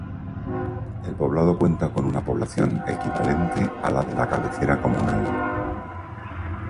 El poblado cuenta con una población equivalente a la de la cabecera comunal.